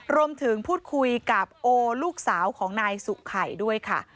รวมถึงพูดคุยกับโอลูกสาวของนายสุไข่ด้วยค่ะ